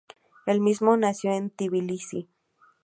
Él mismo nació en Tbilisi.